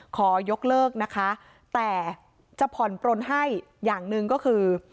ขอยกเลิกนะคะแต่จะผ่อนปลนให้อย่างหนึ่งก็คือ